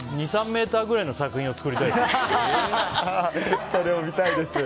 ２３ｍぐらいの作品を作りたいですね。